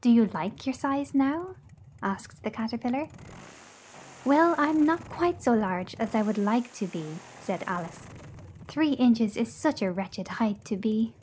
"Do you like your size now?" asked the Cat er pil lar. "Well, I'm not quite so large as I would like to be," said Al ice; "three inch es is such a wretch ed height to be."